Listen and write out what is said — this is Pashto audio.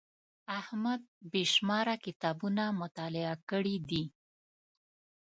احمد بې شماره کتابونه مطالعه کړي دي.